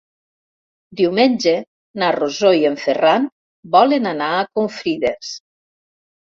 Diumenge na Rosó i en Ferran volen anar a Confrides.